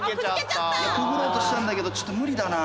くぐろうとしたんだけどちょっと無理だな。